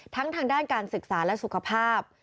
ทางด้านการศึกษาและสุขภาพ